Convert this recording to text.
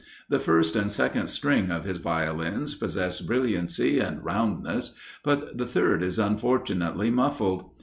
The first and second string of his Violins possess brilliancy and roundness, but the third is unfortunately muffled.